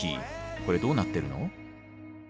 コレどうなってるの？